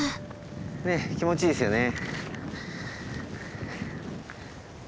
ねっ気持ちいいですよね。